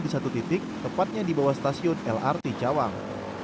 satu titik tepatnya di bawah stasiun lrt jawang